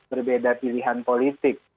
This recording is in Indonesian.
berbeda pilihan politik